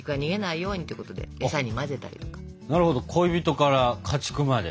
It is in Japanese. なるほど恋人から家畜まで。